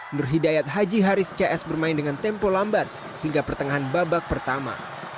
nur hidayat haji haris cs bermain dengan tempo lambat hingga pertengahan babak pertama